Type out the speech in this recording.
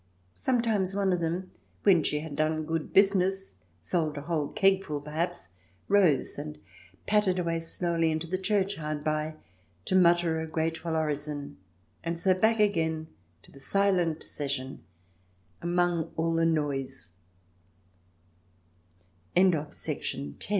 Sometimes one of them, when she had done good business — sold a whole kegful, perhaps — rose and pattered away slowly into the church hard by to mutter a grateful orison, and so back again to the silent session among